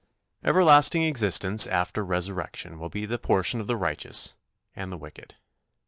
" Everlasting existence after resurrection will be the portion of the righteous and the wicked.